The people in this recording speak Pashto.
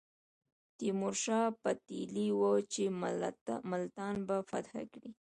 تیمور شاه پتېیلې وه چې ملتان به فتح کوي.